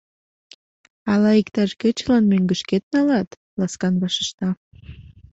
Ала иктаж кечылан мӧҥгышкет налат? — ласкан вашешта.